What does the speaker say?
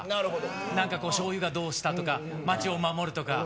なんかしょうゆがどうしたとか、街を守るとか。